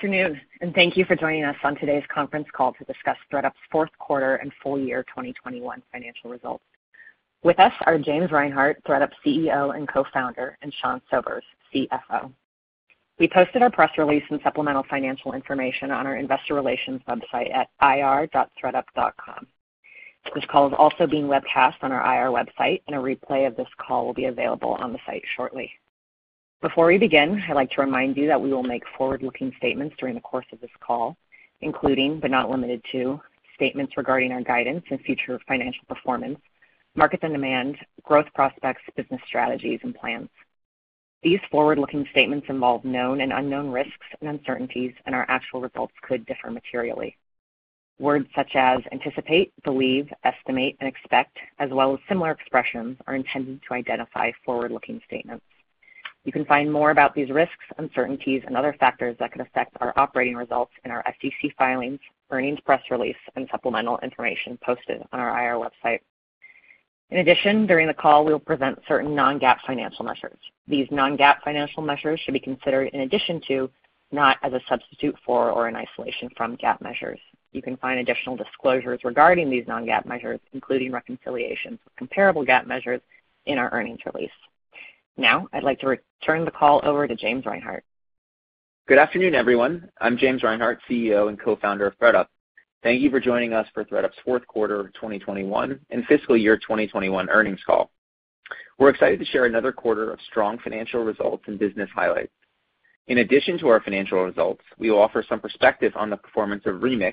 Good afternoon, and thank you for joining us on today's Conference Call to discuss ThredUp's fourth quarter and full year 2021 financial results. With us are James Reinhart, ThredUp's CEO and Co-Founder, and Sean Sobers, CFO. We posted our press release and supplemental financial information on our investor relations website at ir.thredup.com. This call is also being webcast on our IR website, and a replay of this call will be available on the site shortly. Before we begin, I'd like to remind you that we will make forward-looking statements during the course of this call, including, but not limited to, statements regarding our guidance and future financial performance, markets and demand, growth prospects, business strategies and plans. These forward-looking statements involve known and unknown risks and uncertainties, and our actual results could differ materially. Words such as anticipate, believe, estimate, and expect, as well as similar expressions, are intended to identify forward-looking statements. You can find more about these risks, uncertainties, and other factors that could affect our operating results in our SEC filings, earnings press release, and supplemental information posted on our IR website. In addition, during the call, we will present certain non-GAAP financial measures. These non-GAAP financial measures should be considered in addition to, not as a substitute for or in isolation from GAAP measures. You can find additional disclosures regarding these non-GAAP measures, including reconciliations with comparable GAAP measures in our earnings release. Now, I'd like to return the call over to James Reinhart. Good afternoon, everyone. I'm James Reinhart, CEO and Co-Founder of ThredUp. Thank you for joining us for ThredUp's fourth quarter of 2021 and fiscal year 2021 earnings call. We're excited to share another quarter of strong financial results and business highlights. In addition to our financial results, we will offer some perspective on the performance of Remix,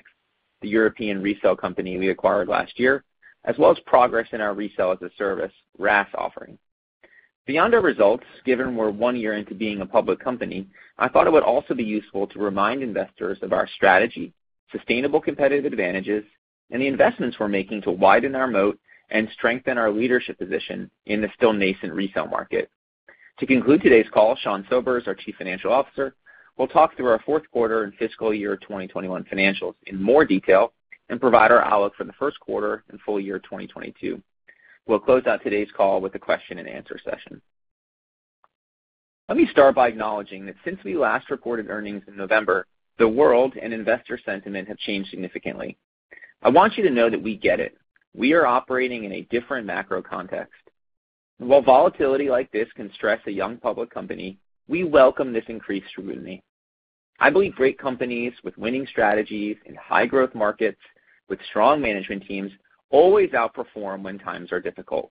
the European resale company we acquired last year, as well as progress in our Resale as a Service, RaaS offering. Beyond our results, given we're one year into being a public company, I thought it would also be useful to remind investors of our strategy, sustainable competitive advantages, and the investments we're making to widen our moat and strengthen our leadership position in the still nascent resale market. To conclude today's call, Sean Sobers, our Chief Financial Officer, will talk through our fourth quarter and fiscal year 2021 financials in more detail and provide our outlook for the first quarter and full year 2022. We'll close out today's call with a question and answer session. Let me start by acknowledging that since we last reported earnings in November, the world and investor sentiment have changed significantly. I want you to know that we get it. We are operating in a different macro context. While volatility like this can stress a young public company, we welcome this increased scrutiny. I believe great companies with winning strategies in high-growth markets with strong management teams always outperform when times are difficult.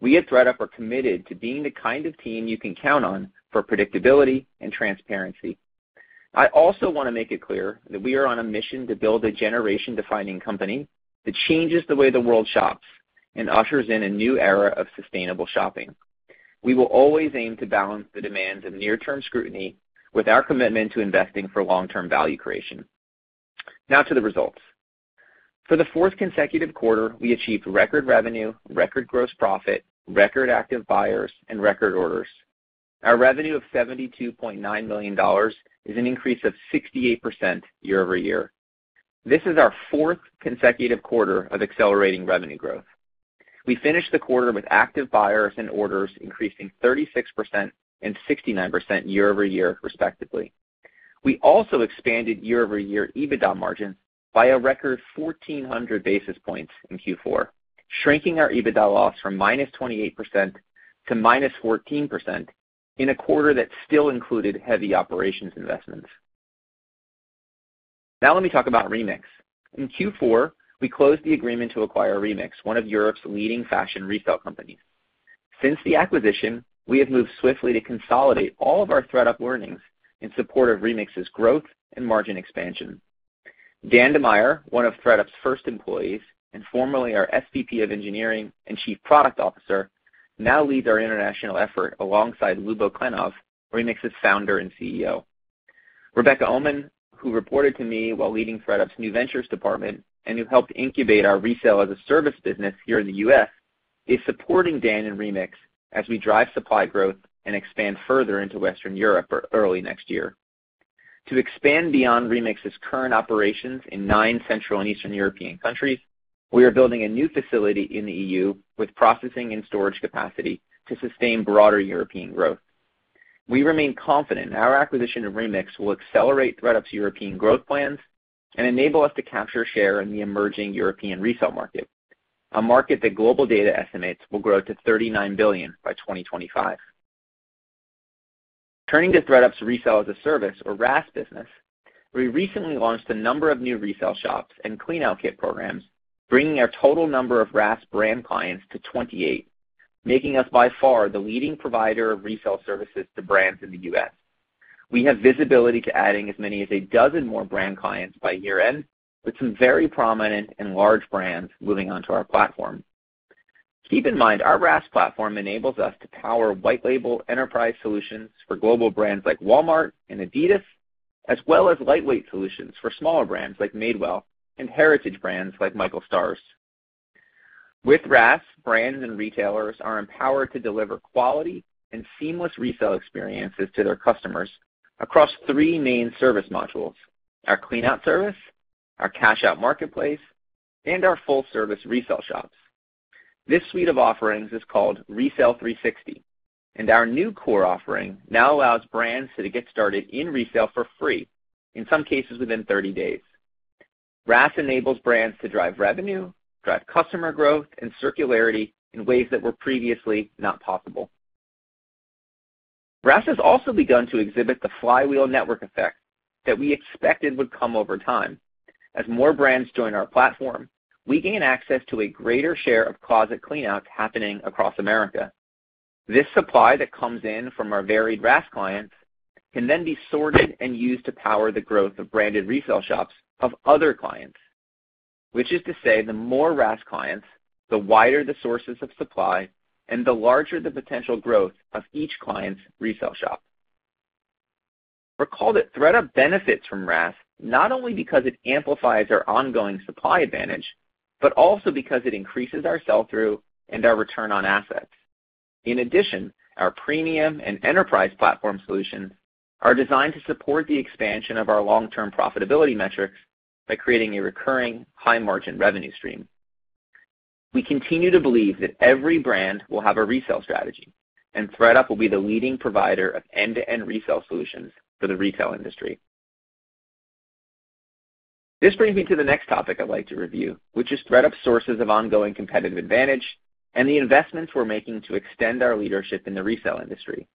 We at ThredUp are committed to being the kind of team you can count on for predictability and transparency. I also want to make it clear that we are on a mission to build a generation-defining company that changes the way the world shops and ushers in a new era of sustainable shopping. We will always aim to balance the demands of near-term scrutiny with our commitment to investing for long-term value creation. Now to the results. For the fourth consecutive quarter, we achieved record revenue, record gross profit, record active buyers, and record orders. Our revenue of $72.9 million is an increase of 68% year-over-year. This is our fourth consecutive quarter of accelerating revenue growth. We finished the quarter with active buyers and orders increasing 36% and 69% year-over-year, respectively. We also expanded year-over-year EBITDA margins by a record 1,400 basis points in Q4, shrinking our EBITDA loss from -28% to -14% in a quarter that still included heavy operations investments. Now let me talk about Remix. In Q4, we closed the agreement to acquire Remix, one of Europe's leading fashion resale companies. Since the acquisition, we have moved swiftly to consolidate all of our ThredUp learnings in support of Remix's growth and margin expansion. Dan DeMeyere, one of ThredUp's first employees and formerly our SVP of Engineering and Chief Product Officer, now leads our international effort alongside Lyubomir Klenov, Remix's founder and CEO. Rebecca Oman, who reported to me while leading ThredUp's new ventures department and who helped incubate our Resale as a Service business here in the U.S., is supporting Dan DeMeyere and Remix as we drive supply growth and expand further into Western Europe early next year. To expand beyond Remix's current operations in 9 central and Eastern European countries, we are building a new facility in the EU with processing and storage capacity to sustain broader European growth. We remain confident our acquisition of Remix will accelerate ThredUp's European growth plans and enable us to capture share in the emerging European resale market, a market that GlobalData estimates will grow to $39 billion by 2025. Turning to ThredUp's Resale as a Service, or RaaS business, we recently launched a number of new resale shops and clean out kit programs, bringing our total number of RaaS brand clients to 28, making us by far the leading provider of resale services to brands in the U.S. We have visibility to adding as many as 12 more brand clients by year-end, with some very prominent and large brands moving onto our platform. Keep in mind, our RaaS platform enables us to power white label enterprise solutions for global brands like Walmart and Adidas, as well as lightweight solutions for smaller brands like Madewell and heritage brands like Michael Stars. With RaaS, brands and retailers are empowered to deliver quality and seamless resale experiences to their customers across three main service modules, our clean out service, our cash out marketplace, and our full-service resale shops. This suite of offerings is called Resale 360, and our new core offering now allows brands to get started in resale for free, in some cases within 30 days. RaaS enables brands to drive revenue, drive customer growth, and circularity in ways that were previously not possible. RaaS has also begun to exhibit the flywheel network effect that we expected would come over time. As more brands join our platform, we gain access to a greater share of closet cleanout happening across America. This supply that comes in from our varied RaaS clients can then be sorted and used to power the growth of branded resale shops of other clients. Which is to say, the more RaaS clients, the wider the sources of supply, and the larger the potential growth of each client's resale shop. Recall that thredUP benefits from RaaS, not only because it amplifies our ongoing supply advantage, but also because it increases our sell-through and our return on assets. In addition, our premium and enterprise platform solutions are designed to support the expansion of our long-term profitability metric by creating a recurring high margin revenue stream. We continue to believe that every brand will have a resale strategy, and thredUP will be the leading provider of end-to-end resale solutions for the retail industry. This brings me to the next topic I'd like to review, which is thredUP's sources of ongoing competitive advantage and the investments we're making to extend our leadership in the resale industry.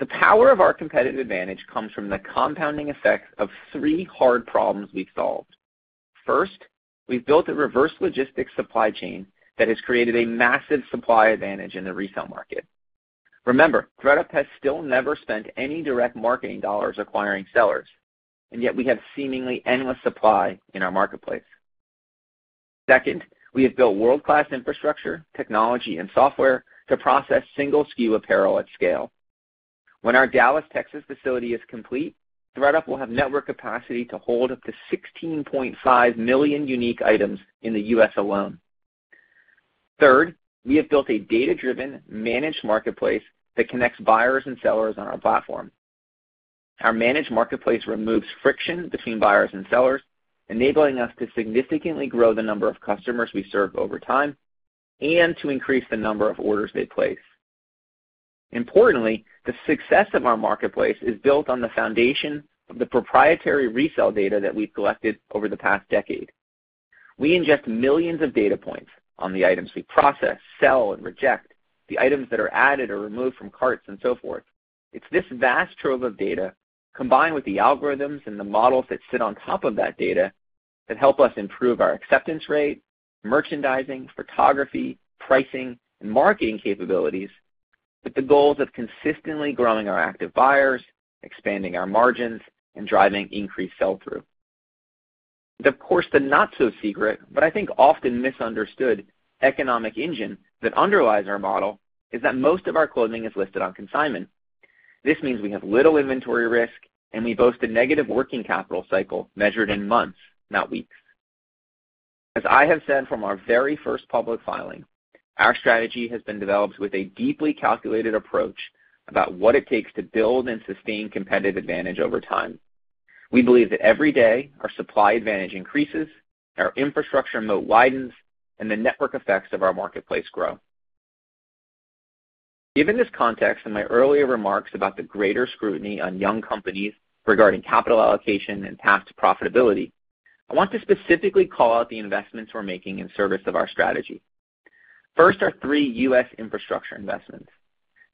The power of our competitive advantage comes from the compounding effects of three hard problems we've solved. First, we've built a reverse logistics supply chain that has created a massive supply advantage in the resale market. Remember, ThredUp has still never spent any direct marketing dollars acquiring sellers, and yet we have seemingly endless supply in our marketplace. Second, we have built world-class infrastructure, technology, and software to process single SKU apparel at scale. When our Dallas, Texas, facility is complete, ThredUp will have network capacity to hold up to 16.5 million unique items in the U.S. alone. Third, we have built a data-driven managed marketplace that connects buyers and sellers on our platform. Our managed marketplace removes friction between buyers and sellers, enabling us to significantly grow the number of customers we serve over time and to increase the number of orders they place. Importantly, the success of our marketplace is built on the foundation of the proprietary resale data that we've collected over the past decade. We ingest millions of data points on the items we process, sell, and reject, the items that are added or removed from carts, and so forth. It's this vast trove of data, combined with the algorithms and the models that sit on top of that data, that help us improve our acceptance rate, merchandising, photography, pricing, and marketing capabilities with the goals of consistently growing our active buyers, expanding our margins, and driving increased sell-through. Of course, the not-so-secret, but I think often misunderstood economic engine that underlies our model is that most of our clothing is listed on consignment. This means we have little inventory risk, and we boast a negative working capital cycle measured in months, not weeks. As I have said from our very first public filing, our strategy has been developed with a deeply calculated approach about what it takes to build and sustain competitive advantage over time. We believe that every day our supply advantage increases, our infrastructure moat widens, and the network effects of our marketplace grow. Given this context and my earlier remarks about the greater scrutiny on young companies regarding capital allocation and path to profitability, I want to specifically call out the investments we're making in service of our strategy. First are three U.S. infrastructure investments.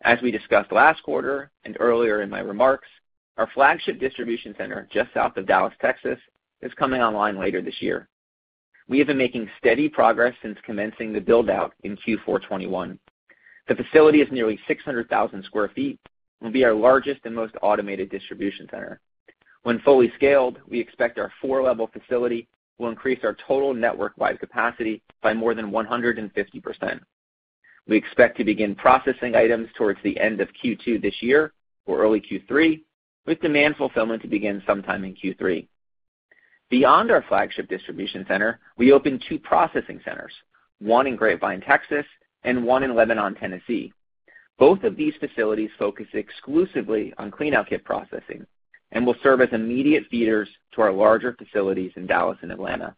As we discussed last quarter and earlier in my remarks, our flagship distribution center just south of Dallas, Texas, is coming online later this year. We have been making steady progress since commencing the build-out in Q4 2021. The facility is nearly 600,000 sq ft and will be our largest and most automated distribution center. When fully scaled, we expect our four-level facility will increase our total network-wide capacity by more than 150%. We expect to begin processing items towards the end of Q2 this year or early Q3, with demand fulfillment to begin sometime in Q3. Beyond our flagship distribution center, we opened two processing centers, one in Grapevine, Texas, and one in Lebanon, Tennessee. Both of these facilities focus exclusively on clean-out kit processing and will serve as immediate feeders to our larger facilities in Dallas and Atlanta.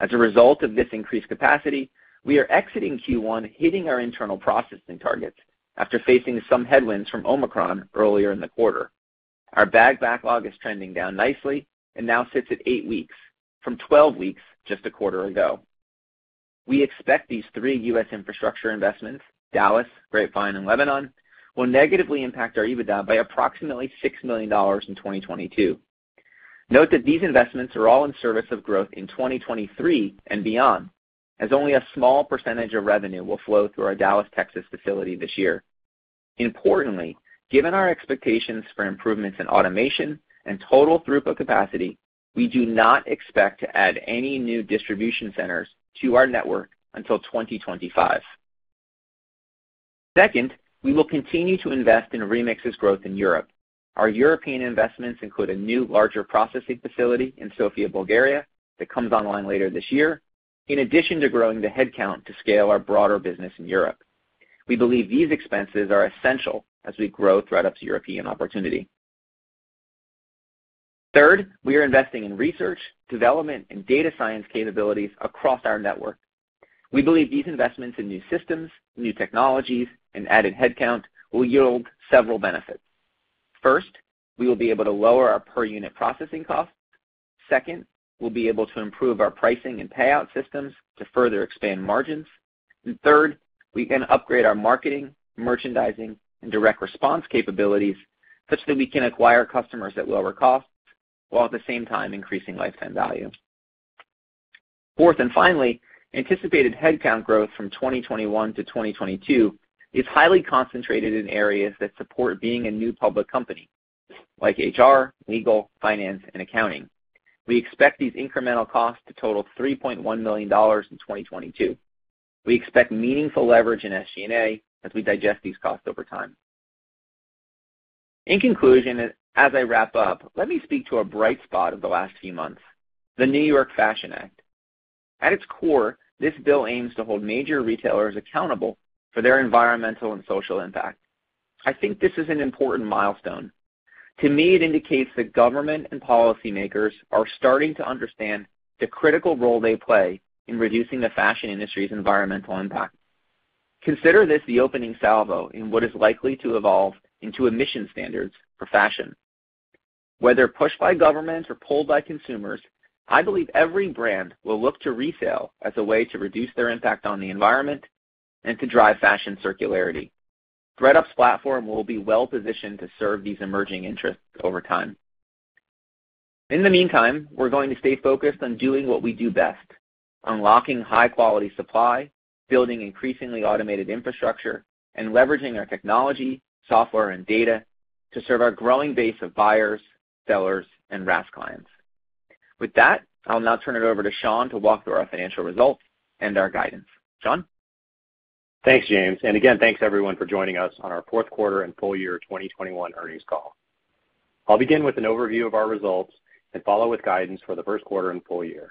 As a result of this increased capacity, we are exiting Q1 hitting our internal processing targets after facing some headwinds from Omicron earlier in the quarter. Our bag backlog is trending down nicely and now sits at 8 weeks from 12 weeks just a quarter ago. We expect these three U.S. infrastructure investments, Dallas, Grapevine, and Lebanon, will negatively impact our EBITDA by approximately $6 million in 2022. Note that these investments are all in service of growth in 2023 and beyond, as only a small percentage of revenue will flow through our Dallas, Texas, facility this year. Importantly, given our expectations for improvements in automation and total throughput capacity, we do not expect to add any new distribution centers to our network until 2025. Second, we will continue to invest in Remix's growth in Europe. Our European investments include a new, larger processing facility in Sofia, Bulgaria, that comes online later this year, in addition to growing the headcount to scale our broader business in Europe. We believe these expenses are essential as we grow ThredUp's European opportunity. Third, we are investing in research, development and data science capabilities across our network. We believe these investments in new systems, new technologies, and added headcount will yield several benefits. First, we will be able to lower our per unit processing costs. Second, we'll be able to improve our pricing and payout systems to further expand margins. Third, we can upgrade our marketing, merchandising, and direct response capabilities such that we can acquire customers at lower costs, while at the same time increasing lifetime value. Fourth, and finally, anticipated headcount growth from 2021 - 2022 is highly concentrated in areas that support being a new public company, like HR, legal, finance, and accounting. We expect these incremental costs to total $3.1 million in 2022. We expect meaningful leverage in SG&A as we digest these costs over time. In conclusion, as I wrap up, let me speak to a bright spot of the last few months, the New York Fashion Act. At its core, this bill aims to hold major retailers accountable for their environmental and social impact. I think this is an important milestone. To me, it indicates that government and policymakers are starting to understand the critical role they play in reducing the fashion industry's environmental impact. Consider this the opening salvo in what is likely to evolve into emission standards for fashion. Whether pushed by government or pulled by consumers, I believe every brand will look to resale as a way to reduce their impact on the environment and to drive fashion circularity. ThredUp's platform will be well-positioned to serve these emerging interests over time. In the meantime, we're going to stay focused on doing what we do best, unlocking high-quality supply, building increasingly automated infrastructure, and leveraging our technology, software, and data to serve our growing base of buyers, sellers, and RaaS clients. With that, I'll now turn it over to Sean to walk through our financial results and our guidance. Sean? Thanks, James, and again, thanks everyone for joining us on our Q4 and full year 2021 earnings call. I'll begin with an overview of our results and follow with guidance for the first quarter and full year.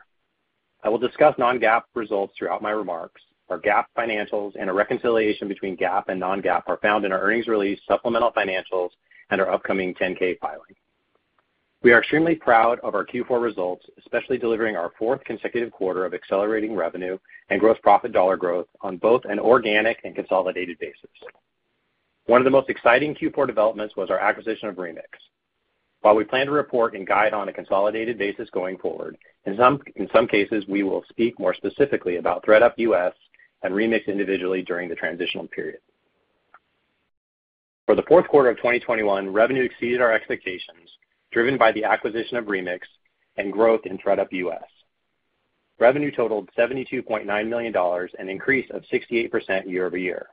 I will discuss non-GAAP results throughout my remarks. Our GAAP financials and a reconciliation between GAAP and non-GAAP are found in our earnings release, supplemental financials, and our upcoming 10-K filing. We are extremely proud of our Q4 results, especially delivering our fourth consecutive quarter of accelerating revenue and gross profit dollar growth on both an organic and consolidated basis. One of the most exciting Q4 developments was our acquisition of Remix. While we plan to report and guide on a consolidated basis going forward, in some cases, we will speak more specifically about ThredUp US and Remix individually during the transitional period. For the fourth quarter of 2021, revenue exceeded our expectations, driven by the acquisition of Remix and growth in ThredUp US. Revenue totaled $72.9 million, an increase of 68% year-over-year.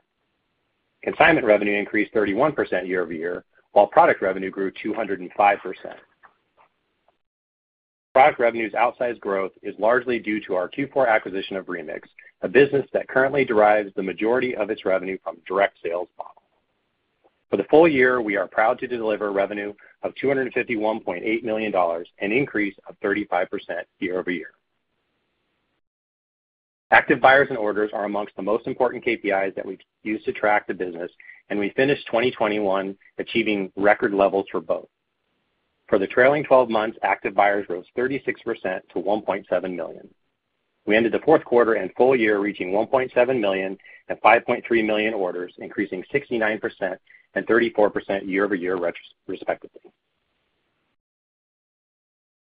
Consignment revenue increased 31% year-over-year, while product revenue grew 205%. Product revenue's outsized growth is largely due to our Q4 acquisition of Remix, a business that currently derives the majority of its revenue from direct sales model. For the full year, we are proud to deliver revenue of $251.8 million, an increase of 35% year-over-year. Active buyers and orders are amongst the most important KPIs that we use to track the business, and we finished 2021 achieving record levels for both. For the trailing twelve months, active buyers rose 36% to 1.7 million. We ended the fourth quarter and full year reaching 1.7 million and 5.3 million orders, increasing 69% and 34% year-over-year respectively.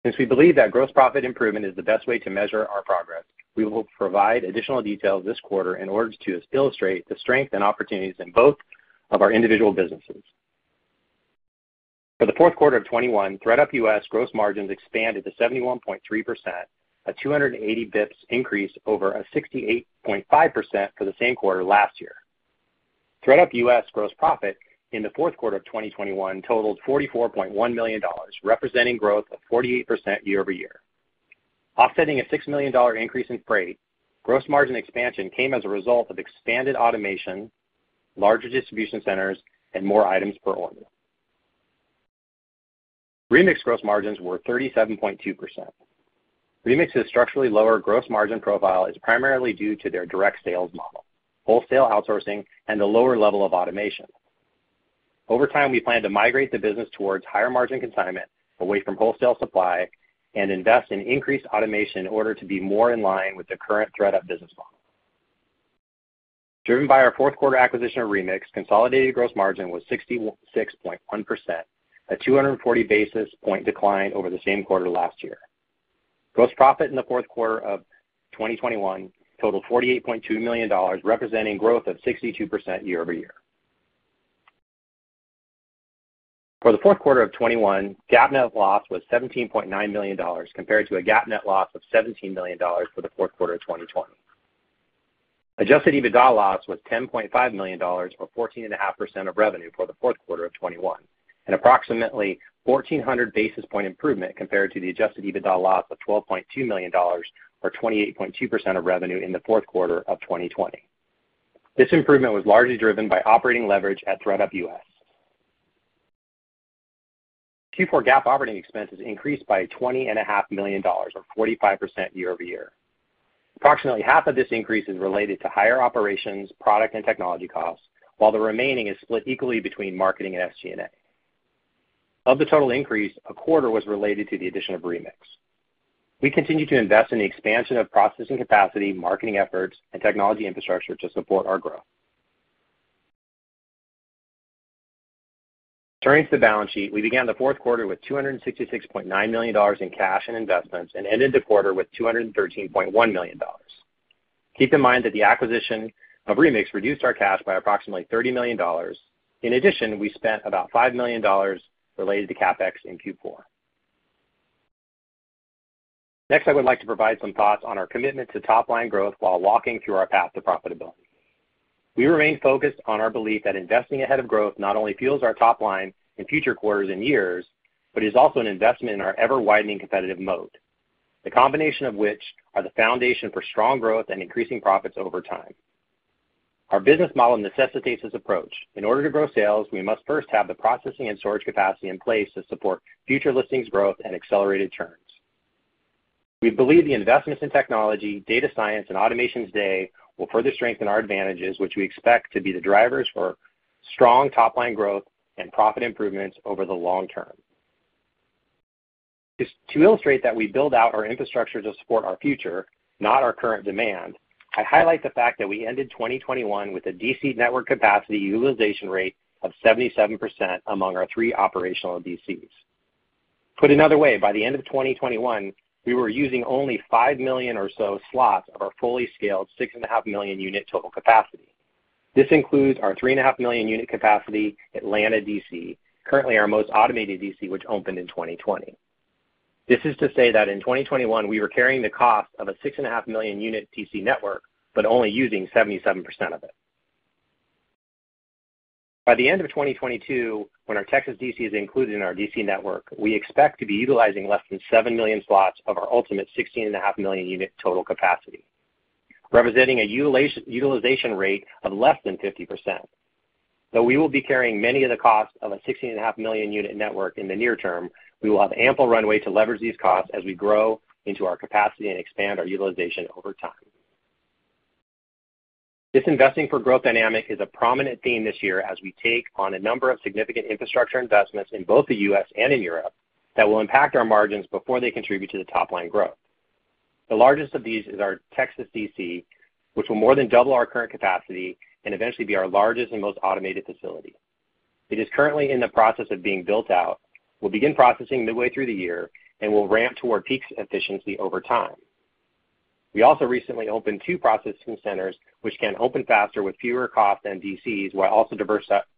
Since we believe that gross profit improvement is the best way to measure our progress, we will provide additional details this quarter in order to illustrate the strength and opportunities in both of our individual businesses. For the fourth quarter of 2021, ThredUp U.S. gross margins expanded to 71.3%, a 280 basis points increase over a 68.5% for the same quarter last year. ThredUp U.S. gross profit in the fourth quarter of 2021 totaled $44.1 million, representing growth of 48% year-over-year. Offsetting a $6 million increase in freight, gross margin expansion came as a result of expanded automation, larger distribution centers, and more items per order. Remix gross margins were 37.2%. Remix's structurally lower gross margin profile is primarily due to their direct sales model, wholesale outsourcing, and a lower level of automation. Over time, we plan to migrate the business towards higher margin consignment, away from wholesale supply, and invest in increased automation in order to be more in line with the current ThredUp business model. Driven by our fourth quarter acquisition of Remix, consolidated gross margin was 66.1%, a 240 basis point decline over the same quarter last year. Gross profit in the fourth quarter of 2021 totaled $48.2 million, representing growth of 62% year-over-year. For the fourth quarter of 2021, GAAP net loss was $17.9 million, compared to a GAAP net loss of $17 million for the fourth quarter of 2020. Adjusted EBITDA loss was $10.5 million, or 14.5% of revenue for the fourth quarter of 2021, an approximately 1,400 basis point improvement compared to the adjusted EBITDA loss of $12.2 million or 28.2% of revenue in the fourth quarter of 2020. This improvement was largely driven by operating leverage at ThredUp U.S. Q4 GAAP operating expenses increased by $20.5 million or 45% year-over-year. Approximately half of this increase is related to higher operations, product, and technology costs, while the remaining is split equally between marketing and SG&A. Of the total increase, a quarter was related to the addition of Remix. We continue to invest in the expansion of processing capacity, marketing efforts, and technology infrastructure to support our growth. Turning to the balance sheet, we began the fourth quarter with $266.9 million in cash and investments and ended the quarter with $213.1 million. Keep in mind that the acquisition of Remix reduced our cash by approximately $30 million. In addition, we spent about $5 million related to CapEx in Q4. Next, I would like to provide some thoughts on our commitment to top line growth while walking through our path to profitability. We remain focused on our belief that investing ahead of growth not only fuels our top line in future quarters and years, but is also an investment in our ever-widening competitive moat, the combination of which are the foundation for strong growth and increasing profits over time. Our business model necessitates this approach. In order to grow sales, we must first have the processing and storage capacity in place to support future listings growth and accelerated turns. We believe the investments in technology, data science, and automations today will further strengthen our advantages, which we expect to be the drivers for strong top line growth and profit improvements over the long term. Just to illustrate that we build out our infrastructure to support our future, not our current demand, I highlight the fact that we ended 2021 with a DC network capacity utilization rate of 77% among our three operational DCs. Put another way, by the end of 2021, we were using only 5 million or so slots of our fully scaled 6.5 million unit total capacity. This includes our 3.5 million unit capacity Atlanta DC, currently our most automated DC, which opened in 2020. This is to say that in 2021, we were carrying the cost of a 6.5 million unit DC network, but only using 77% of it. By the end of 2022, when our Texas DC is included in our DC network, we expect to be utilizing less than 7 million slots of our ultimate 16.5 million unit total capacity, representing a utilization rate of less than 50%. Though we will be carrying many of the costs of a 16.5 million unit network in the near term, we will have ample runway to leverage these costs as we grow into our capacity and expand our utilization over time. This investing for growth dynamic is a prominent theme this year as we take on a number of significant infrastructure investments in both the U.S. and in Europe that will impact our margins before they contribute to the top line growth. The largest of these is our Texas DC, which will more than double our current capacity and eventually be our largest and most automated facility. It is currently in the process of being built out. We'll begin processing midway through the year, and we'll ramp toward peak efficiency over time. We also recently opened two processing centers, which can open faster with fewer costs than DCs, while also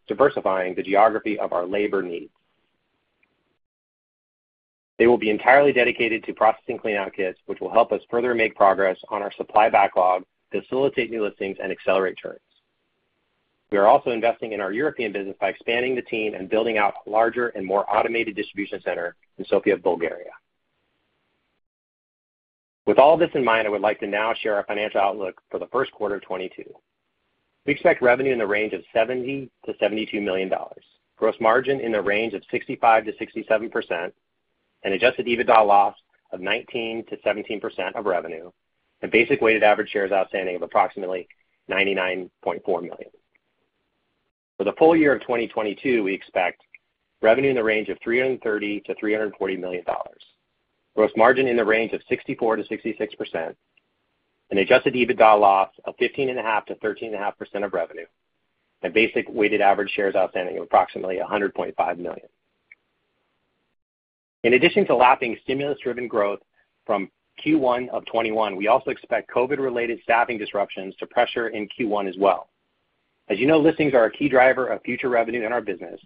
diversifying the geography of our labor needs. They will be entirely dedicated to processing clean out kits, which will help us further make progress on our supply backlog, facilitate new listings, and accelerate turns. We are also investing in our European business by expanding the team and building out a larger and more automated distribution center in Sofia, Bulgaria. With all this in mind, I would like to now share our financial outlook for the first quarter of 2022. We expect revenue in the range of $70 - $72 million. Gross margin in the range of 65 - 67%. An adjusted EBITDA loss of 19- 17% of revenue. Basic weighted average shares outstanding of approximately 99.4 million. For the full year of 2022, we expect revenue in the range of $330 million-$340 million. Gross margin in the range of 64 - 66%. An adjusted EBITDA loss of 15.5 - 13.5% of revenue. Basic weighted average shares outstanding of approximately 100.5 million. In addition to lapping stimulus-driven growth from Q1 of 2021, we also expect COVID-related staffing disruptions to pressure in Q1 as well. As you know, listings are a key driver of future revenue in our business.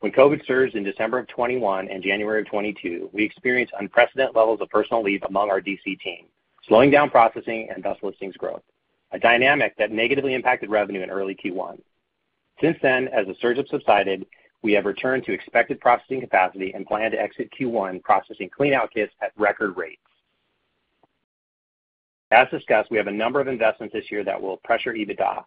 When COVID surged in December 2021 and January 2022, we experienced unprecedented levels of personal leave among our DC team, slowing down processing and thus listings growth, a dynamic that negatively impacted revenue in early Q1. Since then, as the surge has subsided, we have returned to expected processing capacity and plan to exit Q1 processing clean out kits at record rates. As discussed, we have a number of investments this year that will pressure EBITDA.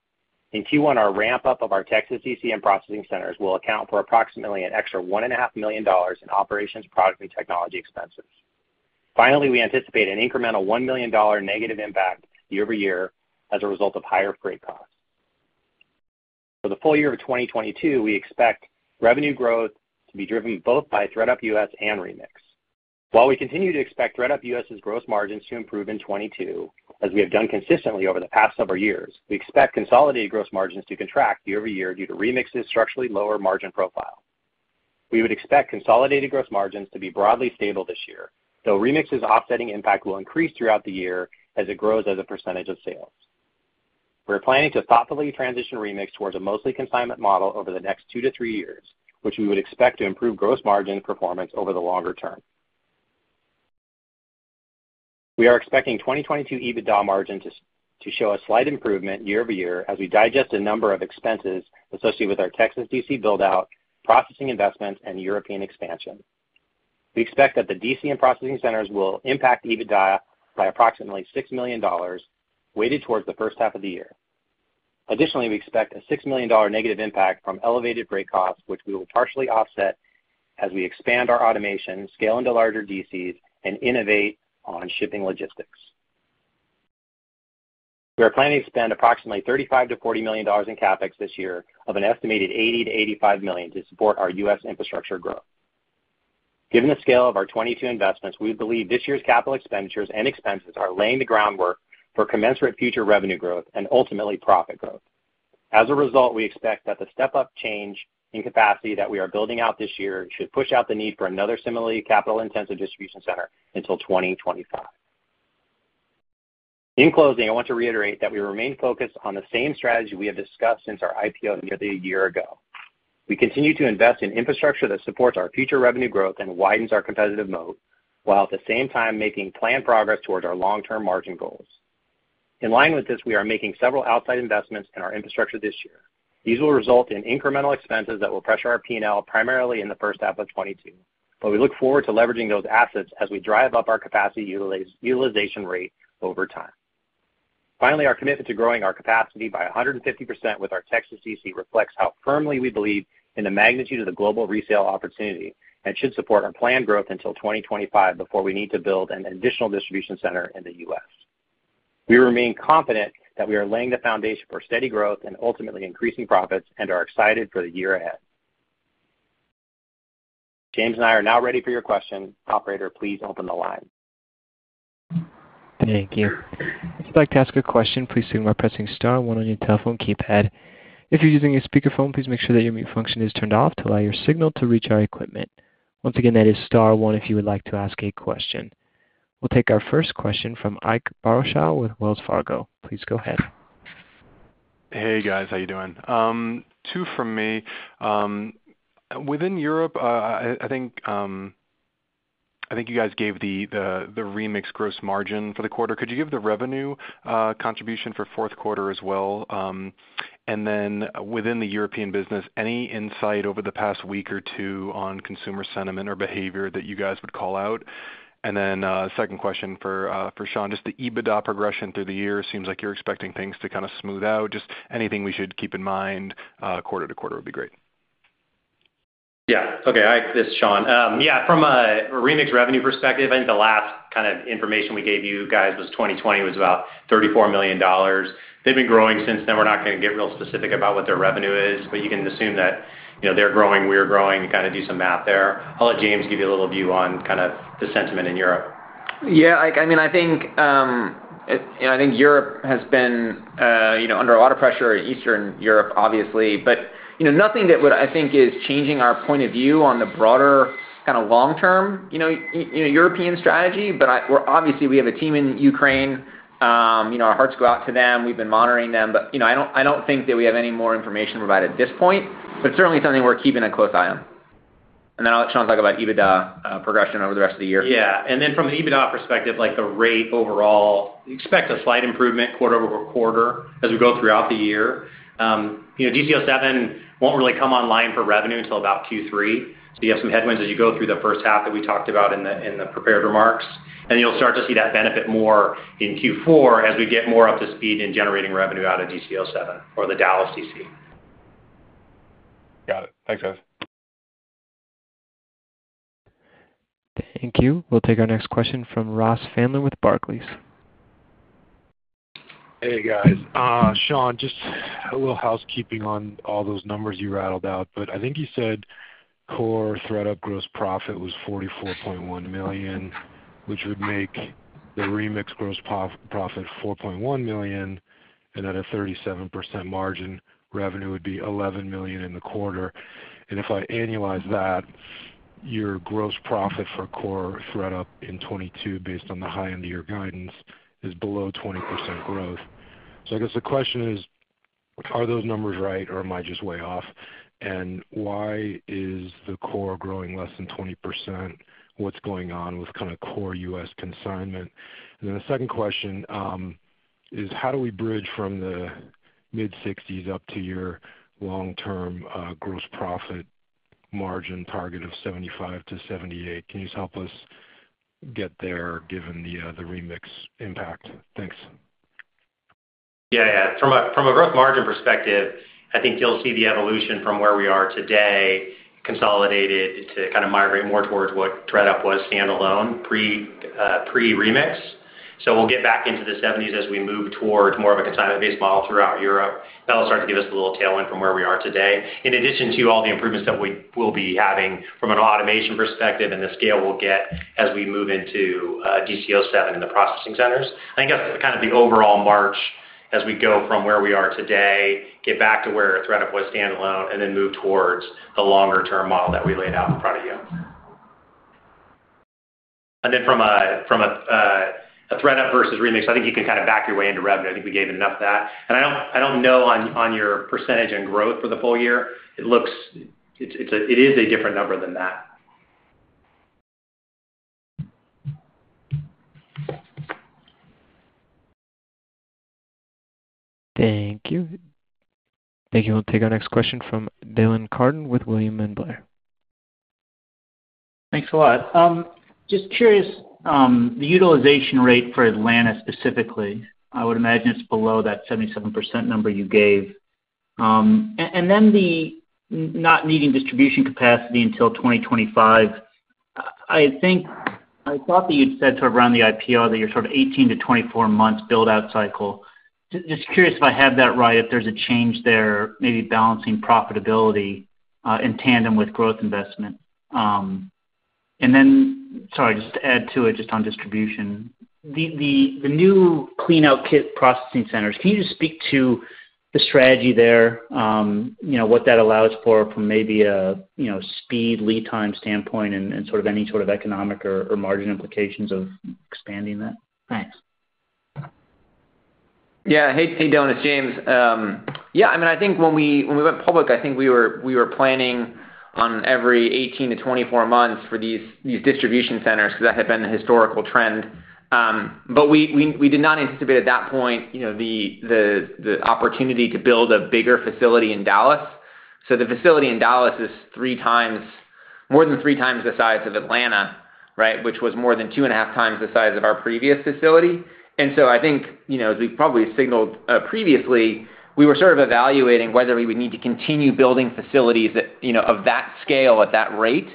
In Q1, our ramp-up of our Texas DC and processing centers will account for approximately an extra $1.5 million in operations, product, and technology expenses. Finally, we anticipate an incremental $1 million negative impact year over year as a result of higher freight costs. For the full year of 2022, we expect revenue growth to be driven both by ThredUp U.S. and Remix. While we continue to expect ThredUp U.S.'s gross margins to improve in 2022, as we have done consistently over the past several years, we expect consolidated gross margins to contract year-over-year due to Remix's structurally lower margin profile. We would expect consolidated gross margins to be broadly stable this year, though Remix's offsetting impact will increase throughout the year as it grows as a percentage of sales. We're planning to thoughtfully transition Remix towards a mostly consignment model over the next 2 - 3 years, which we would expect to improve gross margin performance over the longer term. We are expecting 2022 EBITDA margin to show a slight improvement year-over-year as we digest a number of expenses associated with our Texas DC build-out, processing investments, and European expansion. We expect that the DC and processing centers will impact EBITDA by approximately $6 million, weighted towards the first half of the year. Additionally, we expect a $6 million negative impact from elevated break costs, which we will partially offset as we expand our automation, scale into larger DCs, and innovate on shipping logistics. We are planning to spend approximately $35 million-$40 million in CapEx this year out of anestimated $80 - $85 million to support our U.S. infrastructure growth. Given the scale of our 22 investments, we believe this year's capital expenditures and expenses are laying the groundwork for commensurate future revenue growth and ultimately profit growth. As a result, we expect that the step up change in capacity that we are building out this year should push out the need for another similarly capital-intensive distribution center until 2025. In closing, I want to reiterate that we remain focused on the same strategy we have discussed since our IPO nearly a year ago. We continue to invest in infrastructure that supports our future revenue growth and widens our competitive moat, while at the same time making planned progress towards our long-term margin goals. In line with this, we are making several outsized investments in our infrastructure this year. These will result in incremental expenses that will pressure our P&L primarily in the first half of 2022, but we look forward to leveraging those assets as we drive up our capacity utilization rate over time. Finally, our commitment to growing our capacity by 150% with our Texas DC reflects how firmly we believe in the magnitude of the global resale opportunity and should support our planned growth until 2025 before we need to build an additional distribution center in the U.S. We remain confident that we are laying the foundation for steady growth and ultimately increasing profits and are excited for the year ahead. James and I are now ready for your questions. Operator, please open the line. Thank you. If you'd like to ask a question, please do by pressing star one on your telephone keypad. If you're using a speakerphone, please make sure that your mute function is turned off to allow your signal to reach our equipment. Once again, that is star one if you would like to ask a question. We'll take our first question from Ike Boruchow with Wells Fargo. Please go ahead. Hey, guys. How you doing? Two from me. Within Europe, I think you guys gave the Remix gross margin for the quarter. Could you give the revenue contribution for fourth quarter as well? Within the European business, any insight over the past week or two on consumer sentiment or behavior that you guys would call out? Second question for Sean. Just the EBITDA progression through the year seems like you're expecting things to kind of smooth out. Just anything we should keep in mind, quarter to quarter would be great. Yeah. Okay. Ike, this is Sean. Yeah, from a Remix revenue perspective, I think the last kind of information we gave you guys was 2020 was about $34 million. They've been growing since then. We're not gonna get real specific about what their revenue is, but you can assume that, you know, they're growing, we're growing, kind of do some math there. I'll let James give you a little view on kind of the sentiment in Europe. Yeah. Ike, I mean, I think Europe has been, you know, under a lot of pressure, Eastern Europe, obviously. You know, nothing that would, I think, is changing our point of view on the broader kind of long-term, you know, European strategy. We obviously have a team in Ukraine. You know, our hearts go out to them. We've been monitoring them. You know, I don't think that we have any more information to provide at this point, but certainly something we're keeping a close eye on. Then I'll let Sean talk about EBITDA progression over the rest of the year. Yeah. From an EBITDA perspective, like the rate overall, expect a slight improvement quarter-over-quarter as we go throughout the year. DC07 won't really come online for revenue until about Q3. You have some headwinds as you go through the first half that we talked about in the prepared remarks, and you'll start to see that benefit more in Q4 as we get more up to speed in generating revenue out of DC07 or the Dallas DC. Got it. Thanks, guys. Thank you. We'll take our next question from Ross Sandler with Barclays. Hey, guys. Sean, just a little housekeeping on all those numbers you rattled out, but I think you said core ThredUp gross profit was $44.1 million, which would make the Remix gross profit $4.1 million. At a 37% margin, revenue would be $11 million in the quarter. If I annualize that, your gross profit for core ThredUp in 2022 based on the high end of your guidance is below 20% growth. I guess the question is, are those numbers right or am I just way off? Why is the core growing less than 20%? What's going on with kind of core U.S. consignment? The second question is how do we bridge from the mid-60s up to your long-term gross profit margin target of 75 - 78%? Can you just help us get there given the Remix impact? Thanks. Yeah, yeah. From a gross margin perspective, I think you'll see the evolution from where we are today consolidated to kind of migrate more towards what ThredUp was standalone pre-Remix. We'll get back into the 70s% as we move towards more of a consignment-based model throughout Europe. That'll start to give us a little tailwind from where we are today, in addition to all the improvements that we will be having from an automation perspective and the scale we'll get as we move into DC07 in the processing centers. I think that's kind of the overall march as we go from where we are today, get back to where ThredUp was standalone, and then move towards the longer-term model that we laid out in front of you. From a ThredUp versus Remix, I think you can kind of back your way into revenue. I think we gave enough of that. I don't know on your percentage and growth for the full year. It looks like it is a different number than that. Thank you. We'll take our next question from Dylan Carden with William Blair. Thanks a lot. Just curious, the utilization rate for Atlanta specifically, I would imagine it's below that 77% number you gave. And then the not needing distribution capacity until 2025, I think. I thought that you'd said sort of around the IPO that you're sort of 18-24 months build-out cycle. Just curious if I have that right, if there's a change there, maybe balancing profitability in tandem with growth investment. And then, sorry, just to add to it just on distribution, the new clean out kit processing centers, can you just speak to the strategy there, you know, what that allows for from maybe a speed lead time standpoint and sort of any sort of economic or margin implications of expanding that? Thanks. Yeah. Hey, Dylan, it's James. Yeah, I mean, I think when we went public, I think we were planning on every 18-24 months for these distribution centers because that had been the historical trend. We did not anticipate at that point, you know, the opportunity to build a bigger facility in Dallas. The facility in Dallas is three times, more than three times the size of Atlanta, right? Which was more than 2.5 times the size of our previous facility. I think, you know, as we probably signaled previously, we were sort of evaluating whether we would need to continue building facilities that, you know, of that scale at that rate.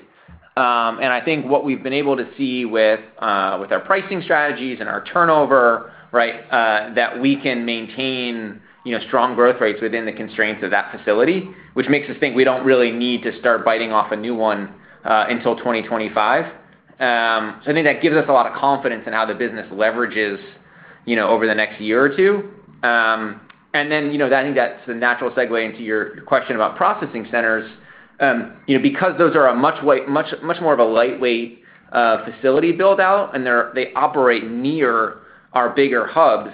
I think what we've been able to see with our pricing strategies and our turnover, right, that we can maintain, you know, strong growth rates within the constraints of that facility, which makes us think we don't really need to start biting off a new one until 2025. I think that gives us a lot of confidence in how the business leverages, you know, over the next year or two. I think that's the natural segue into your question about processing centers. You know, because those are much more of a lightweight facility build-out, and they operate near our bigger hubs,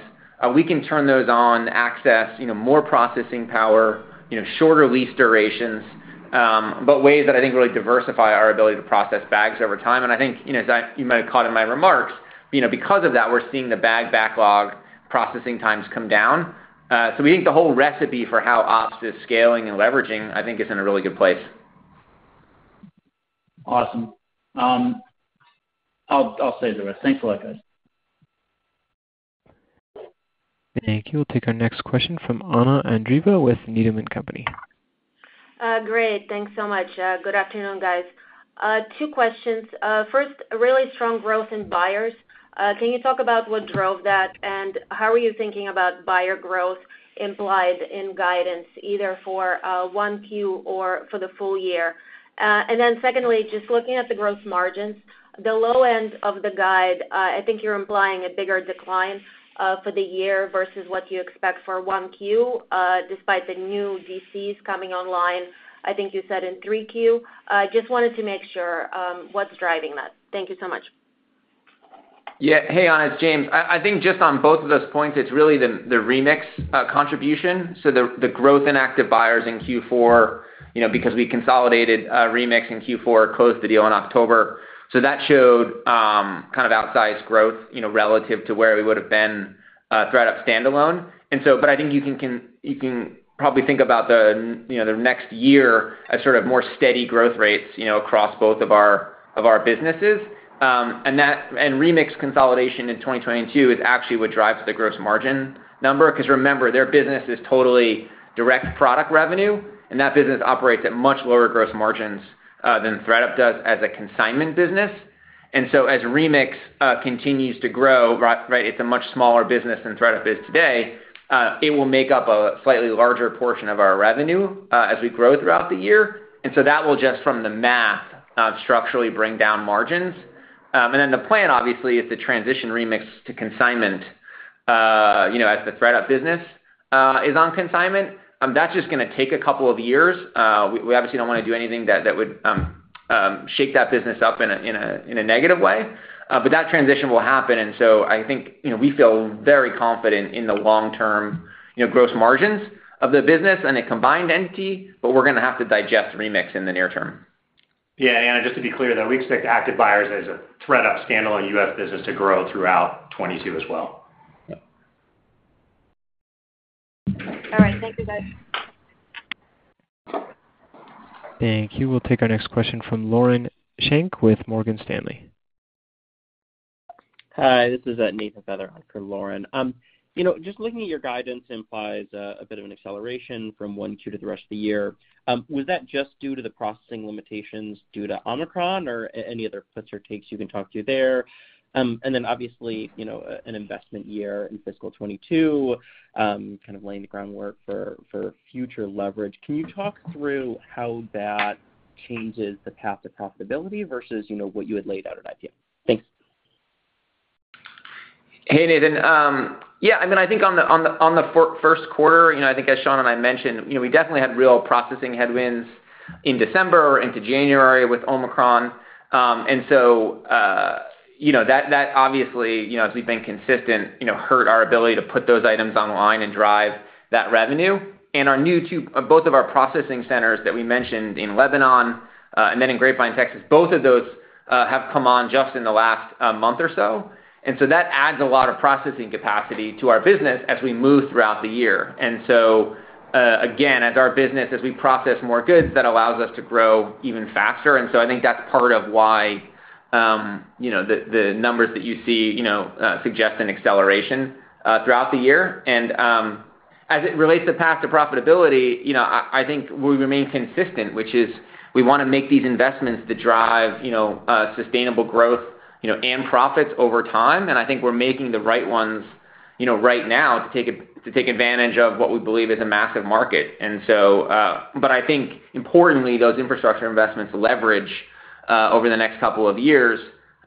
we can turn those on, access, you know, more processing power, you know, shorter lease durations, but ways that I think really diversify our ability to process bags over time. I think, you know, you might have caught in my remarks, you know, because of that, we're seeing the bag backlog processing times come down. We think the whole recipe for how ops is scaling and leveraging, I think, is in a really good place. Awesome. I'll save the rest. Thanks a lot, guys. Thank you. We'll take our next question from Anna Andreeva with Needham & Company. Great. Thanks so much. Good afternoon, guys. Two questions. First, really strong growth in buyers. Can you talk about what drove that, and how are you thinking about buyer growth implied in guidance, either for 1Q or for the full year? Secondly, just looking at the gross margins, the low end of the guide, I think you're implying a bigger decline for the year versus what you expect for 1Q, despite the new DCs coming online, I think you said in 3Q. Just wanted to make sure, what's driving that. Thank you so much. Yeah. Hey, Anna. It's James. I think just on both of those points, it's really the Remix contribution. The growth in active buyers in Q4, you know, because we consolidated Remix in Q4, closed the deal in October. That showed kind of outsized growth, you know, relative to where we would've been if ThredUp standalone. I think you can probably think about the next year as sort of more steady growth rates, you know, across both of our businesses. Remix consolidation in 2022 is actually what drives the gross margin number. Because remember, their business is totally direct product revenue, and that business operates at much lower gross margins than ThredUp does as a consignment business. As Remix continues to grow, right, it's a much smaller business than ThredUp is today, it will make up a slightly larger portion of our revenue, as we grow throughout the year. That will just from the math, structurally bring down margins. The plan obviously is to transition Remix to consignment, you know, as the ThredUp business is on consignment. That's just gonna take a couple of years. We obviously don't wanna do anything that would shake that business up in a negative way. But that transition will happen. I think, you know, we feel very confident in the long term, you know, gross margins of the business and a combined entity, but we're gonna have to digest Remix in the near term. Yeah. Just to be clear, though, we expect active buyers as a ThredUp standalone U.S. business to grow throughout 2022 as well. Yeah. All right. Thank you, guys. Thank you. We'll take our next question from Lauren Schenk with Morgan Stanley. Hi, this is Nathan Feather on for Lauren. You know, just looking at your guidance implies a bit of an acceleration from Q1 to the rest of the year. Was that just due to the processing limitations due to Omicron or any other puts or takes you can talk to there? And then obviously, you know, an investment year in fiscal 2022, kind of laying the groundwork for future leverage. Can you talk through how that changes the path to profitability versus, you know, what you had laid out at IPO? Thanks. Hey, Nathan. Yeah, I mean, I think on the first quarter, you know, I think as Sean and I mentioned, you know, we definitely had real processing headwinds in December into January with Omicron. You know, that obviously, you know, as we've been consistent, you know, hurt our ability to put those items online and drive that revenue. Both of our processing centers that we mentioned in Lebanon and then in Grapevine, Texas, both of those have come on just in the last month or so. That adds a lot of processing capacity to our business as we move throughout the year. Again, as our business, as we process more goods, that allows us to grow even faster. I think that's part of why you know the numbers that you see you know suggest an acceleration throughout the year. As it relates to path to profitability you know I think we remain consistent which is we wanna make these investments to drive you know sustainable growth you know and profits over time. I think we're making the right ones you know right now to take advantage of what we believe is a massive market. I think importantly those infrastructure investments leverage over the next couple of years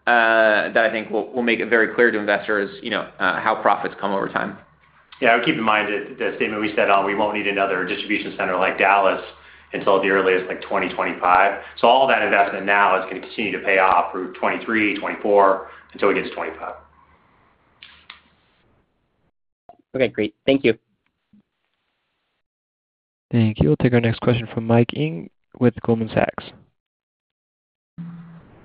that I think will make it very clear to investors you know how profits come over time. Yeah. Keep in mind that the statement we said, we won't need another distribution center like Dallas until as early as, like, 2025. All that investment now is gonna continue to pay off through 2023, 2024 until we get to 2025. Okay, great. Thank you. Thank you. We'll take our next question from Mike Ng with Goldman Sachs.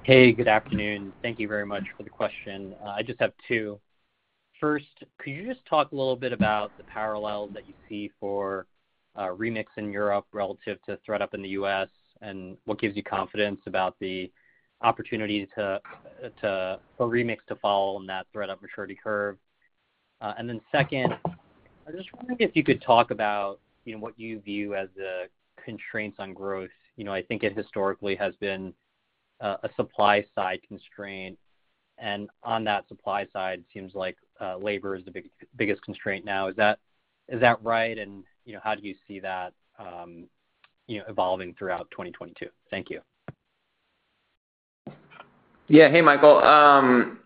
Hey, good afternoon. Thank you very much for the question. I just have two. First, could you just talk a little bit about the parallel that you see for Remix in Europe relative to ThredUp in the U.S., and what gives you confidence about the opportunity for Remix to follow on that ThredUp maturity curve? And then second, I'm just wondering if you could talk about, you know, what you view as the constraints on growth. You know, I think it historically has been a supply side constraint, and on that supply side seems like labor is the biggest constraint now. Is that right? You know, how do you see that evolving throughout 2022? Thank you. Yeah. Hey, Michael.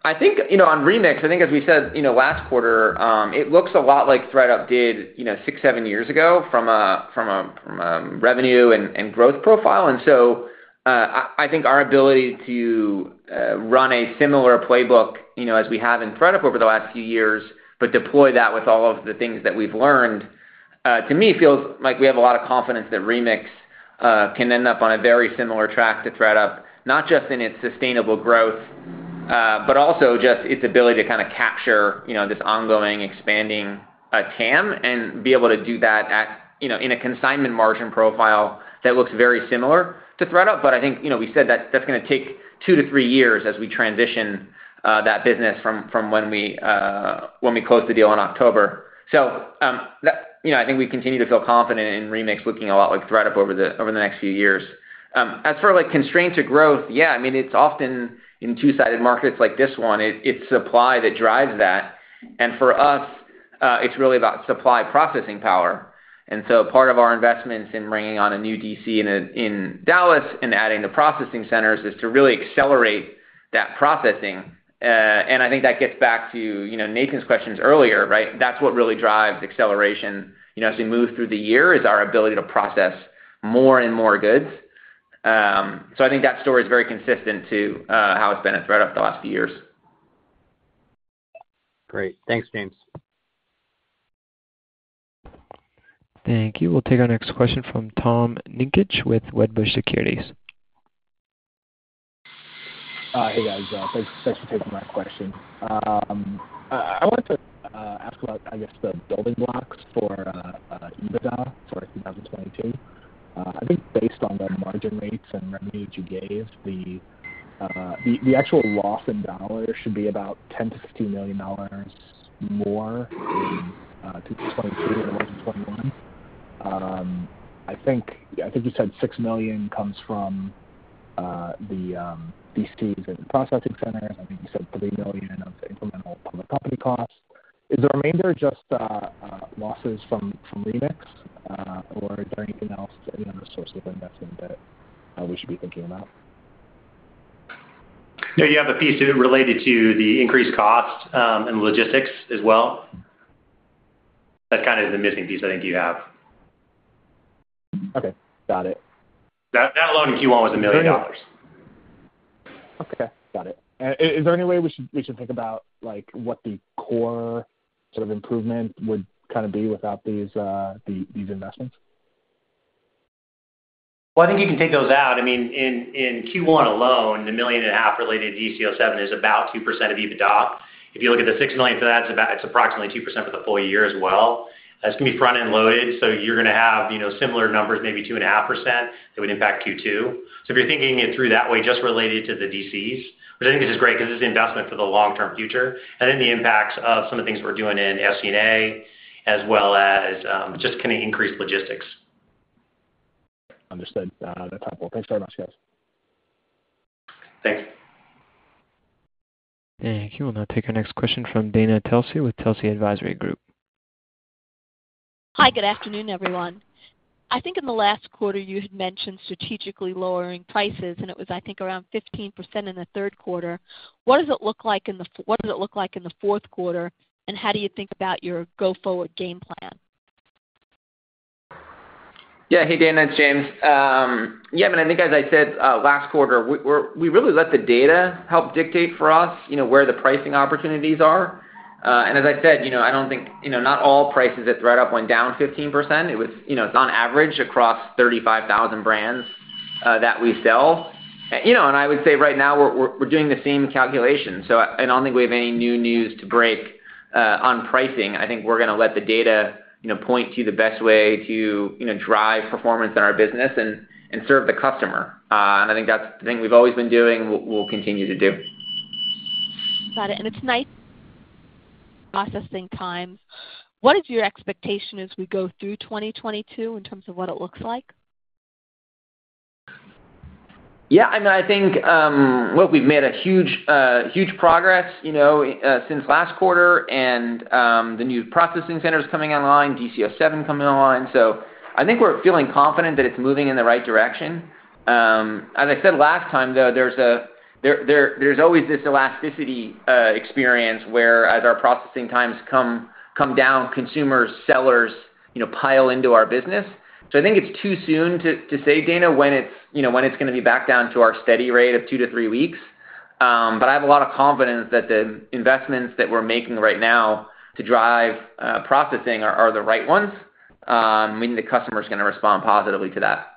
I think, you know, on Remix, I think as we said, you know, last quarter, it looks a lot like ThredUp did, you know, 6-7 years ago from a revenue and growth profile. I think our ability to run a similar playbook, you know, as we have in ThredUp over the last few years, but deploy that with all of the things that we've learned, to me feels like we have a lot of confidence that Remix can end up on a very similar track to ThredUp, not just in its sustainable growth, but also just its ability to kinda capture, you know, this ongoing expanding TAM and be able to do that at, you know, in a consignment margin profile that looks very similar to ThredUp. I think, you know, we said that that's gonna take two to three years as we transition that business from when we close the deal in October. I think we continue to feel confident in Remix looking a lot like ThredUp over the next few years. As for, like, constraints to growth, yeah, I mean, it's often in two-sided markets like this one, it's supply that drives that. For us, it's really about supply processing power. Part of our investments in bringing on a new DC in Dallas and adding the processing centers is to really accelerate that processing. I think that gets back to, you know, Nathan's questions earlier, right? That's what really drives acceleration, you know, as we move through the year, is our ability to process more and more goods. I think that story is very consistent to how it's been at ThredUp the last few years. Great. Thanks, James. Thank you. We'll take our next question from Tom Nikic with Wedbush Securities. Hey, guys. Thanks for taking my question. I wanted to ask about, I guess, the building blocks for EBITDA for 2022. I think based on the margin rates and revenue that you gave, the actual loss in dollars should be about $10 - $15 million more in 2022 than 2021. I think you said $6 million comes from the DCs and processing centers, and I think you said $3 million of the incremental public company costs. Is the remainder just losses from Remix, or is there anything else, any other source of investment that we should be thinking about? No, you have a piece to it related to the increased cost, and logistics as well. That kinda is the missing piece I think you have. Okay. Got it. That alone in Q1 was $1 million. Okay. Got it. Is there any way we should think about, like, what the core sort of improvement would kinda be without these investments? Well, I think you can take those out. I mean, in Q1 alone, the $1.5 million related to DC07 is about 2% of EBITDA. If you look at the $6 million for that, it's approximately 2% for the full year as well. That's gonna be front-end loaded, so you're gonna have, you know, similar numbers, maybe 2.5% that would impact Q2. If you're thinking it through that way, just related to the DCs, which I think is just great 'cause it's investment for the long-term future, and then the impacts of some of the things we're doing in SG&A, as well as just kinda increased logistics. Understood. That's helpful. Thanks very much, guys. Thanks. Thank you. We'll now take our next question from Dana Telsey with Telsey Advisory Group. Hi. Good afternoon, everyone. I think in the last quarter you had mentioned strategically lowering prices, and it was, I think, around 15% in the third quarter. What does it look like in the fourth quarter, and how do you think about your go forward game plan? Yeah. Hey, Dana. It's James. Yeah, I mean, I think as I said last quarter, we really let the data help dictate for us, you know, where the pricing opportunities are. And as I said, you know, I don't think, you know, not all prices at ThredUp went down 15%. It was, you know, it's on average across 35,000 brands that we sell. You know, and I would say right now we're doing the same calculation, so I don't think we have any new news to break on pricing. I think we're gonna let the data, you know, point to the best way to, you know, drive performance in our business and serve the customer. And I think that's the thing we've always been doing. We'll continue to do. Got it. It's nice processing time. What is your expectation as we go through 2022 in terms of what it looks like? Yeah, I mean, I think, look, we've made a huge progress, you know, since last quarter, and the new processing center's coming online, DC07 coming online. I think we're feeling confident that it's moving in the right direction. As I said last time, though, there's always this elasticity experience whereas our processing times come down, consumers, sellers, you know, pile into our business. I think it's too soon to say, Dana, when it's, you know, when it's gonna be back down to our steady rate of 2-3 weeks. But I have a lot of confidence that the investments that we're making right now to drive processing are the right ones, meaning the customer's gonna respond positively to that.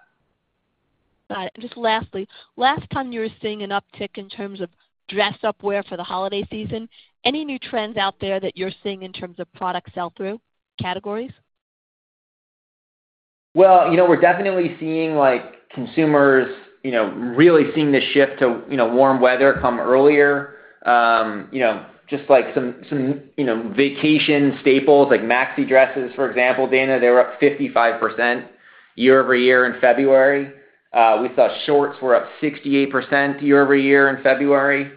Got it. Just lastly, last time you were seeing an uptick in terms of dress-up wear for the holiday season, any new trends out there that you're seeing in terms of product sell-through categories? Well, you know, we're definitely seeing, like, consumers, you know, really seeing the shift to, you know, warm weather come earlier. You know, just like some vacation staples like maxi dresses, for example, Dana, they were up 55% year-over-year in February. We saw shorts were up 68% year-over-year in February.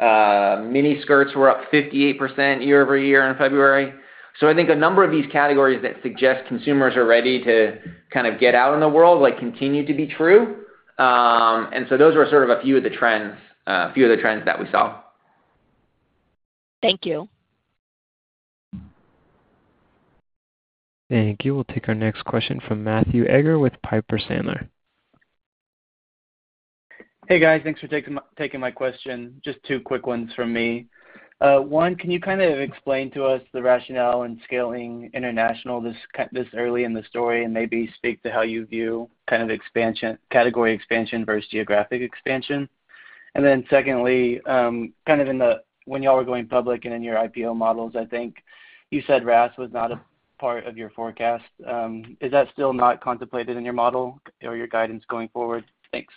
Miniskirts were up 58% year-over-year in February. I think a number of these categories that suggest consumers are ready to kind of get out in the world, like, continue to be true. Those were sort of a few of the trends that we saw. Thank you. Thank you. We'll take our next question from Matthew Edgar with Piper Sandler. Hey, guys. Thanks for taking my question. Just two quick ones from me. One, can you kind of explain to us the rationale in scaling international this early in the story and maybe speak to how you view kind of expansion, category expansion versus geographic expansion? Secondly, kind of in the, when y'all were going public and in your IPO models, I think you said RaaS was not a part of your forecast. Is that still not contemplated in your model or your guidance going forward? Thanks.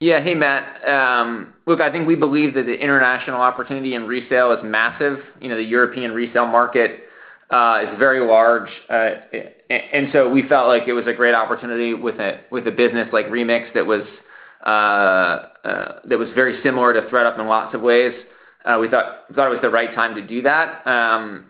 Yeah. Hey, Matt. Look, I think we believe that the international opportunity in resale is massive. You know, the European resale market is very large. We felt like it was a great opportunity with a business like Remix that was very similar to ThredUp in lots of ways. We thought it was the right time to do that.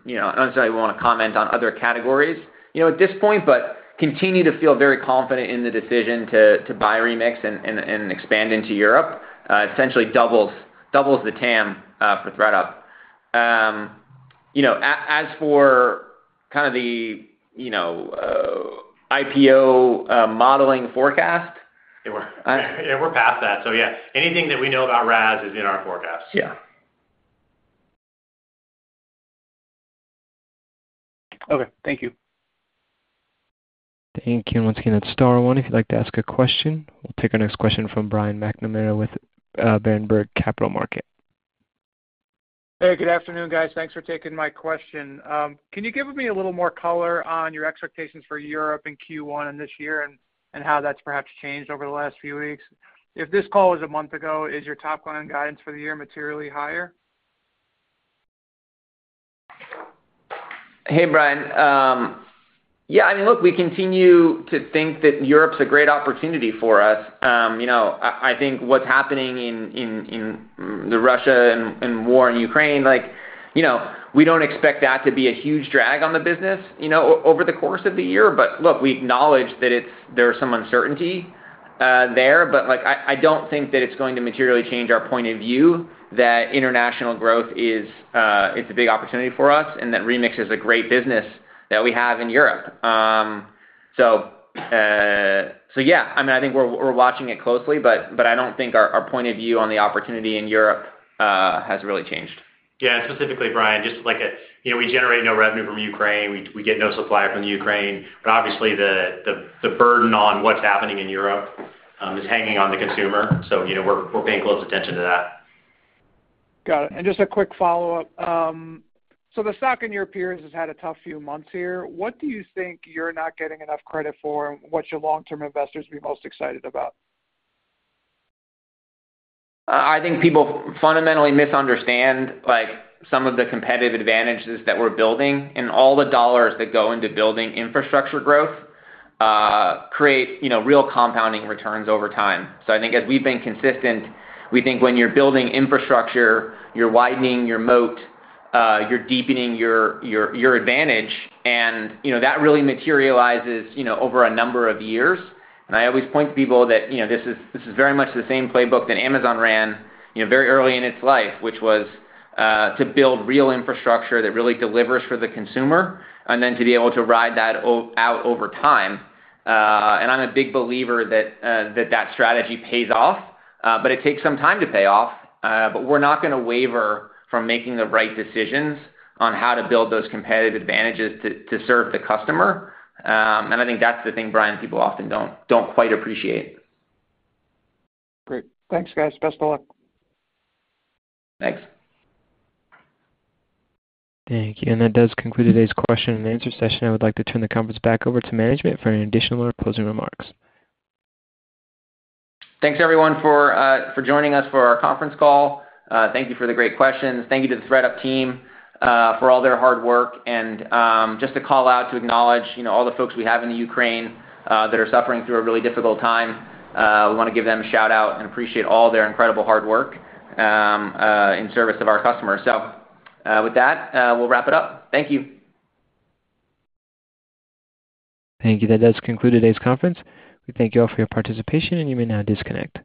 You know, obviously I wouldn't wanna comment on other categories, you know, at this point, but continue to feel very confident in the decision to buy Remix and expand into Europe, essentially doubles the TAM for ThredUp. You know, as for kind of the IPO modeling forecast- Yeah, we're past that. Yeah, anything that we know about RaaS is in our forecast. Yeah. Okay. Thank you. Thank you. Once again, hit star one if you'd like to ask a question. We'll take our next question from Brian McNamara with Berenberg Capital Markets. Hey, good afternoon, guys. Thanks for taking my question. Can you give me a little more color on your expectations for Europe in Q1 and this year and how that's perhaps changed over the last few weeks? If this call was a month ago, is your top line guidance for the year materially higher? Hey, Brian. Yeah, I mean, look, we continue to think that Europe's a great opportunity for us. You know, I think what's happening in Russia and the war in Ukraine, like, you know, we don't expect that to be a huge drag on the business, you know, over the course of the year. Look, we acknowledge that there's some uncertainty there. Like, I don't think that it's going to materially change our point of view that international growth is a big opportunity for us, and that Remix is a great business that we have in Europe. Yeah, I mean, I think we're watching it closely, but I don't think our point of view on the opportunity in Europe has really changed. Yeah, specifically, Brian, just like, you know, we generate no revenue from Ukraine. We get no supply from the Ukraine. But obviously the burden on what's happening in Europe is hanging on the consumer. You know, we're paying close attention to that. Got it. Just a quick follow-up. The stock in your peers has had a tough few months here. What do you think you're not getting enough credit for, and what should long-term investors be most excited about? I think people fundamentally misunderstand, like, some of the competitive advantages that we're building, and all the dollars that go into building infrastructure growth create, you know, real compounding returns over time. I think as we've been consistent, we think when you're building infrastructure, you're widening your moat, you're deepening your advantage, and, you know, that really materializes, you know, over a number of years. I always point to people that, you know, this is very much the same playbook that Amazon ran, you know, very early in its life, which was to build real infrastructure that really delivers for the consumer and then to be able to ride that out over time. I'm a big believer that that strategy pays off, but it takes some time to pay off. We're not gonna waver from making the right decisions on how to build those competitive advantages to serve the customer. I think that's the thing, Brian, people often don't quite appreciate. Great. Thanks, guys. Best of luck. Thanks. Thank you. That does conclude today's question and answer session. I would like to turn the conference back over to management for any additional or closing remarks. Thanks, everyone, for joining us for our conference call. Thank you for the great questions. Thank you to the ThredUp team for all their hard work. Just to call out to acknowledge, you know, all the folks we have in the Ukraine that are suffering through a really difficult time. We wanna give them a shout-out and appreciate all their incredible hard work in service of our customers. With that, we'll wrap it up. Thank you. Thank you. That does conclude today's conference. We thank you all for your participation, and you may now disconnect.